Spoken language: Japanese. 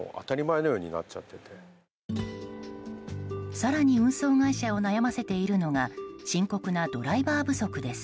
更に運送会社を悩ませているのが深刻なドライバー不足です。